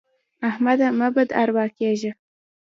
احمده مه بد اروا کېږه.